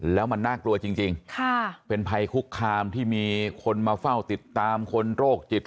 แล้วมันน่ากลัวจริงเป็นภัยคุกคามที่มีคนมาเฝ้าติดตามคนโรคจิต